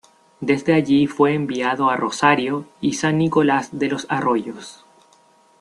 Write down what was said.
Desde allí fue enviado a Rosario y San Nicolás de los Arroyos.